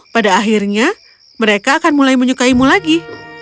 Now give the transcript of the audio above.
pada akhirnya mereka akan mulai menyukaimu lagi